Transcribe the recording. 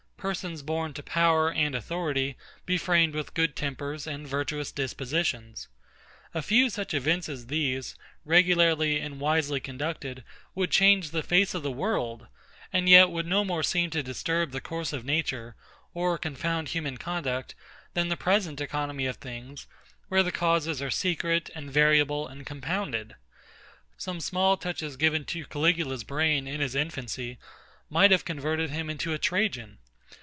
Persons born to power and authority, be framed with good tempers and virtuous dispositions. A few such events as these, regularly and wisely conducted, would change the face of the world; and yet would no more seem to disturb the course of nature, or confound human conduct, than the present economy of things, where the causes are secret, and variable, and compounded. Some small touches given to CALIGULA's brain in his infancy, might have converted him into a TRAJAN.